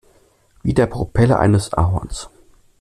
Wie der Propeller eines Ahorns.